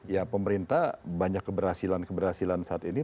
ya pemerintah banyak keberhasilan keberhasilan saat ini